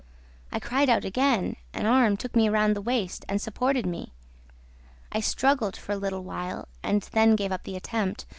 I cried out again. An arm took me round the waist and supported me. I struggled for a little while and then gave up the attempt.